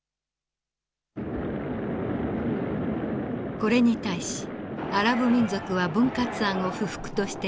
これに対しアラブ民族は分割案を不服として拒否。